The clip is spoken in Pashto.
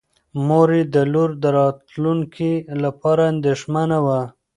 مور یې د لور د راتلونکي لپاره اندېښمنه وه.